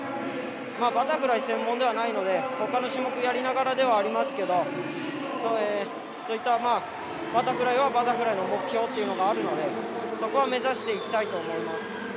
まあバタフライ専門ではないのでほかの種目やりながらではありますけどそういったバタフライはバタフライの目標っていうのがあるのでそこは目指していきたいと思います。